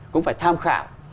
cũng phải tham khảo